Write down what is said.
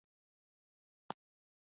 د پوهنې رئيس د زده کوونکو ستاينه وکړه.